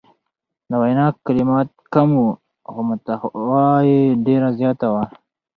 د وینا کلمات کم وو خو محتوا یې ډیره زیاته وه.